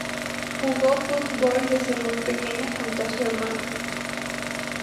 Jugó fútbol desde muy pequeña junto a su hermano.